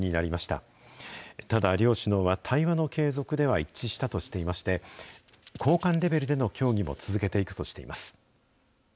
ただ、両首脳は対話の継続では一致したとしていまして、高官レベルでの協議も続けていくとしています。